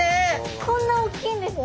こんなおっきいんですか？